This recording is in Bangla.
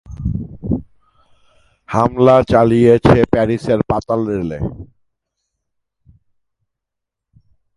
হামলা চালিয়েছে প্যারিসের পাতালরেলে।